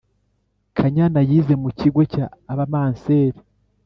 kanyana yize mu kigo cya abamanseri